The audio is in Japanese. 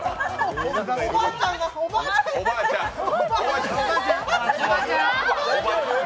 おばあちゃんが、おばあちゃんが。